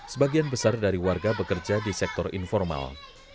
sebagian besar dari warga bekerja di sektor informal